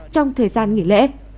trong thời gian nghỉ lễ